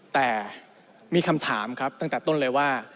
แต่มีคำถามครับตั้งแต่ต้นเลยว่า